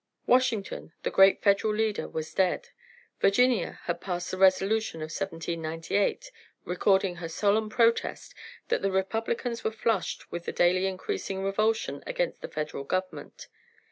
Washington, the great Federal leader was dead. Virginia had passed the resolution of 1798, recording her solemn protest, and the Republicans were flushed with the daily increasing revulsion against the Federal Government.